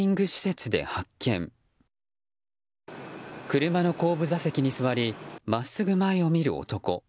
車の後部座席に座りまっすぐ前を見る男。